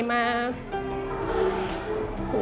มารับใช้